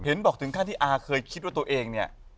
บอกถึงขั้นที่อาเคยคิดว่าตัวเองเนี่ย